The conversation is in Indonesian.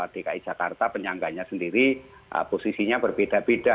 dki jakarta penyangganya sendiri posisinya berbeda beda